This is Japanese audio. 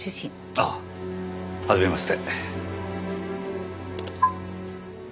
あっはじめまして。